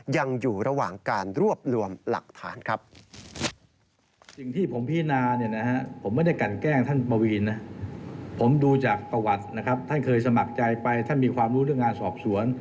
ยังอยู่ระหว่างการรวบรวมหลักฐานครับ